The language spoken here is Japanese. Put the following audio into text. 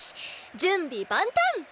準備万端！